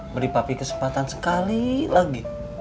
beri papi kesempatan sekali lagi